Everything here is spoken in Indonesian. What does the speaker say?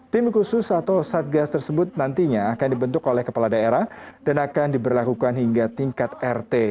tim khusus atau satgas tersebut nantinya akan dibentuk oleh kepala daerah dan akan diberlakukan hingga tingkat rt